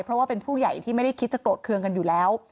เพราะว่าเป็นผู้ใหญ่ที่ไม่ได้คิดจะโกรธเครื่องกันอยู่แล้ว